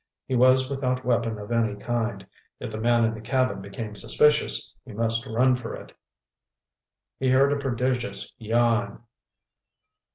He was without weapon of any kind. If the man in the cabin became suspicious, he must run for it. He heard a prodigious yawn.